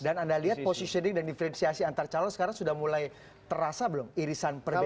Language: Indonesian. dan anda lihat positioning dan diferensiasi antar calon sekarang sudah mulai terasa belum irisan perbedaan